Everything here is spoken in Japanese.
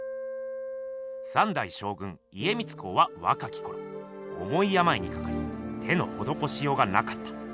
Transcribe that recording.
三代将軍家光公はわかきころおもいやまいにかかり手のほどこしようがなかった。